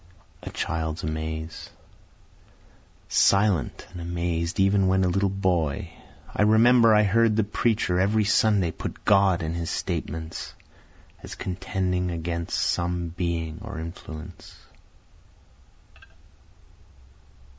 A Child's Amaze Silent and amazed even when a little boy, I remember I heard the preacher every Sunday put God in his statements, As contending against some being or influence.